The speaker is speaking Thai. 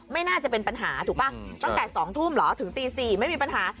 ไม่น่าจะเป็นปัญหาถูกป่ะตั้งแต่๒ทุ่มเหรอถึงตี๔ไม่มีปัญหา